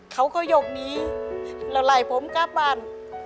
เขาก็ยกหนีเลยงำผมกลับบ้าน